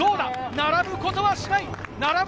並ぶことはしない。